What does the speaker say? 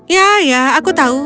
ya ya aku tahu